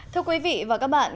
thưa quý vị và các bạn